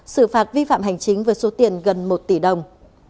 xử phạt vi phạm hành chính với số tiền gần một tỷ đồng